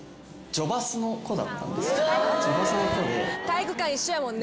女バスの子で。